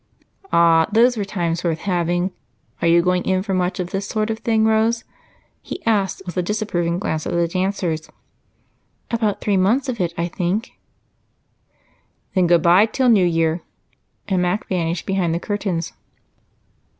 "Ah, those were times worth having! Are you going in for much of this sort of thing, Rose?" he asked with a disapproving glance at the dancers. "About three months of it, I think." "Then good bye till New Year." And Mac vanished behind the curtains.